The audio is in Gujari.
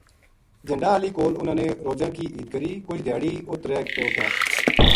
جھَنڈاں ہالی کول اِنھاں نے روجاں کی عید کری کُجھ دھیاڑا اُت رہ کے اُٹھیا